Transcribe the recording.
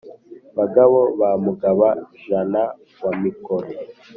Bagabo ba Mugaba-jana wa Mikore ,